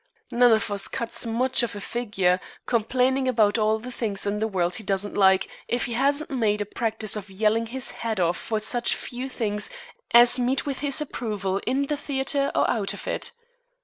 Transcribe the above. None of us cuts much of a figure complaining about all the things in the world he doesn't like if he hasn't made a practice of yelling his head off for such few things as meet with his approval in the theater or out of it.